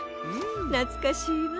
なつかしいわ。